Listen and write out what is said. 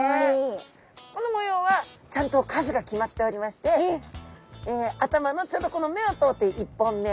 この模様はちゃんと数が決まっておりまして頭のちょうどこの目を通って１本目。